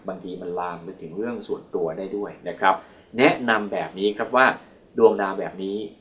บางทีมันลามไปถึงเรื่องส่วนตัวได้ด้วยนะครับแนะนำแบบนี้ครับว่าดวงดาวแบบนี้